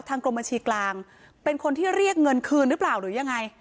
กรมบัญชีกลางเป็นคนที่เรียกเงินคืนหรือเปล่าหรือยังไง